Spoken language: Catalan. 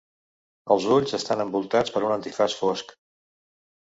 Els ulls estan envoltats per un antifaç fosc.